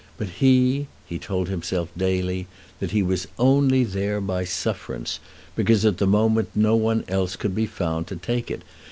But he, he told himself daily that he was only there by sufferance, because at the moment no one else could be found to take it.